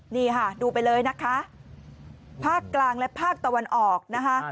นี่ค่ะดูไปเลยนะคะภาคกลางและภาคตะวันออกนะคะ